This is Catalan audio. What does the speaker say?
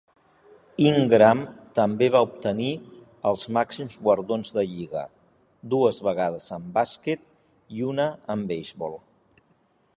Ingram també va obtenir els màxims guardons de lliga, dues vegades en bàsquet i una en beisbol.